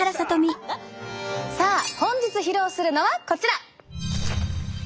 さあ本日披露するのはこちら！